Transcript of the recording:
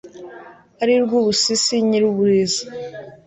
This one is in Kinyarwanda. Ari Rwubusisi nyiri Ubuliza